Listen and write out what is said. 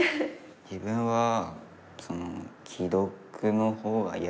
自分はその既読の方が嫌ですね。